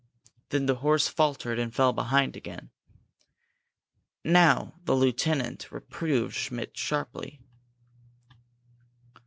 Then the horse faltered and fell behind again. Now the lieutenant reproved Schmidt sharply.